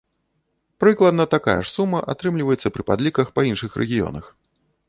Прыкладна такая ж сума атрымліваецца пры падліках па іншых рэгіёнах.